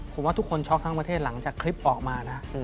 คุณชอบทั้งประเทศหลังจากคลิปออกมานะ